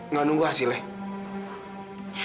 nggak nunggu hasilnya